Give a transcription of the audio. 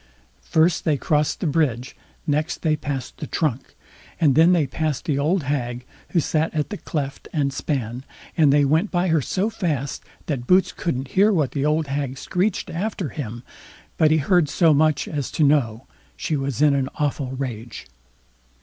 First they crossed the bridge, next they passed the trunk, and then they passed the old hag, who sat at the cleft and span, and they went by her so fast, that Boots couldn't hear what the old hag screeched after him; but he heard so much as to know she was in an awful rage.